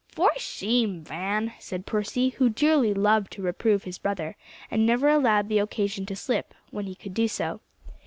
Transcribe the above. "For shame, Van!" said Percy, who dearly loved to reprove his brother, and never allowed the occasion to slip when he could do so.